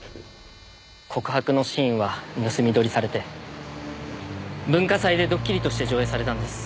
告白のシーンは盗み撮りされて文化祭でドッキリとして上映されたんです。